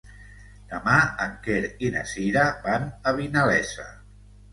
Demà en Quer i na Sira van a Vinalesa.